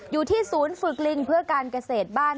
อยู่ที่ศูนย์ฝึกลิงเพื่อการเกษตรบ้าน